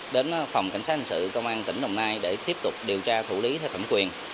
đến phòng cảnh sát hình sự công an tỉnh đồng nai để tiếp tục điều tra thủ lý theo thẩm quyền